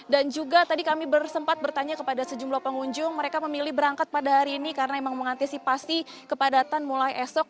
dan juga tadi kami bersempat bertanya kepada sejumlah pengunjung mereka memilih berangkat pada hari ini karena memang mengantisipasi kepadatan mulai esok